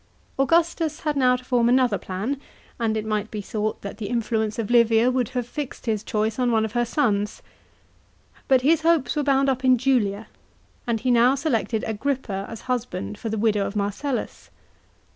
§ 5. Augustus had now to form another plan, and it might be thought that the influence of Livia would have fixed his choice on one of her sons. But his hopes were bound up in Julia, and he now selected Agrippa as husband for the widow of Marcellus.